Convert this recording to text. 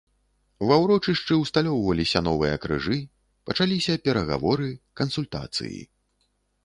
Ва ўрочышчы ўсталёўваліся новыя крыжы, пачаліся перагаворы, кансультацыі.